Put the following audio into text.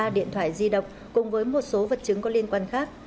ba điện thoại di động cùng với một số vật chứng có liên quan khác